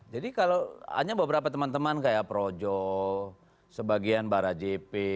jadi kalau hanya beberapa teman teman kayak projo sebagian barajipi